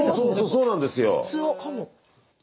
そうなんですよ。